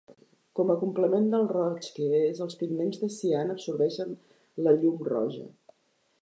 Com a complement del roig que és, els pigments del cian absorbeixen la llum roja.